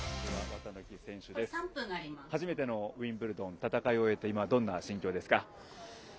初めてのウィンブルドン戦いを終えて今どんな心境ですか。